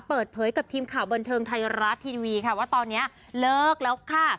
เปิดเผยกับทีมข่าวบันเทิงไทยรัฐทีวีค่ะว่าตอนนี้เลิกแล้วค่ะ